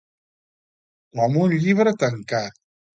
Com un llibre tancat.